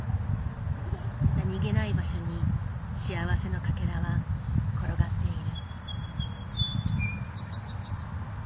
何気ない場所に幸せのかけらは転がっている。